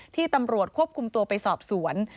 ที่ตำรวจควบคุมตัวไปสอบสวน